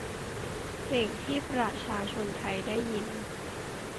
สิ่งที่ประชาชนไทยได้ยิน